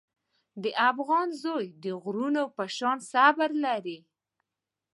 د افغان زوی د غرونو په شان صبر لري.